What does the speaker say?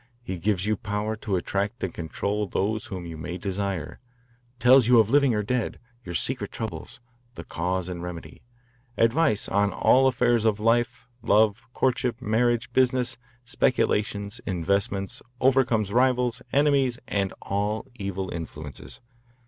He gives you power to attract and control those whom you may desire, tells you of living or dead, your secret troubles, the cause and remedy. Advice on all affairs of life, love, courtship, marriage, business, speculations, investments. Overcomes rivals, enemies, and all evil influences.